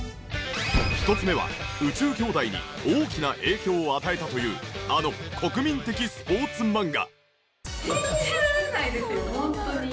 １つ目は『宇宙兄弟』に大きな影響を与えたというあの国民的スポーツ漫画。